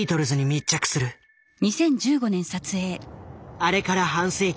あれから半世紀。